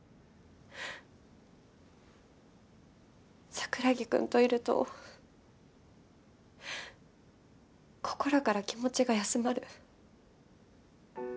桜木くんといると心から気持ちが休まる。